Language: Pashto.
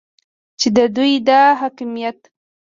چې د دوی دا حاکمیت